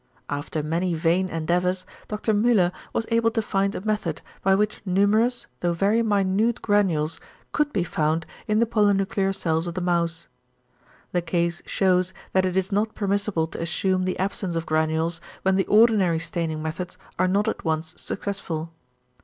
After many vain endeavours, Dr Müller was able to find a method by which numerous though very minute granules could be found in the polynuclear cells of the mouse. The case shews that it is not permissible to assume the absence of granules, when the ordinary staining methods are not at once successful.